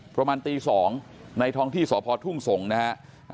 ประมาณตี๒ในท้องที่สพทุ่งสงศ์นะฮะ